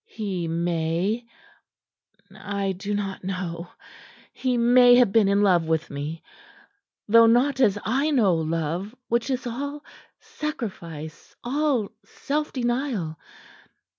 He may I do not know he may have been in love with me though not as I know love, which is all sacrifice, all self denial.